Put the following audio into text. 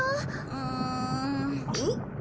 うん。おっ？